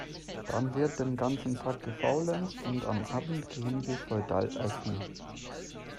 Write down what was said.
Dann wird den ganzen Tag gefaulenzt und am Abend gehen wir feudal Essen.